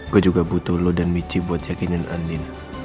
gue juga butuh lo dan michie buat yakinin andin